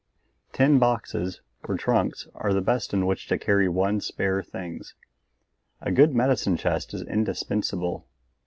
Tin boxes or trunks are the best in which to carry one's spare things. A good medicine chest is indispensable.